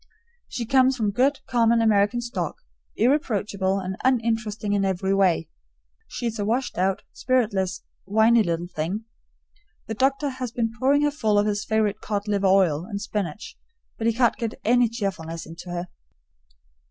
She comes from good common American stock, irreproachable and uninteresting in every way. She's a washed out, spiritless, whiney little thing. The doctor has been pouring her full of his favorite cod liver oil and spinach, but he can't get any cheerfulness into her.